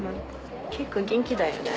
結構元気だよね。